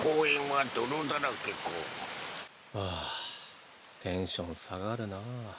はぁテンション下がるなぁ。